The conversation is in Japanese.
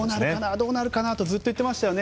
どうなるかなとずっと言っていましたよね。